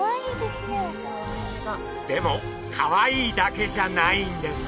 でもかわいいだけじゃないんです。